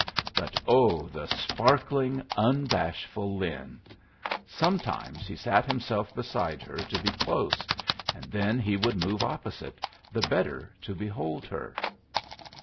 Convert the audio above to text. But oh, the sparkling, unbashful Lin! Sometimes he sat himself beside her to be close, and then he would move opposite, the better to behold her.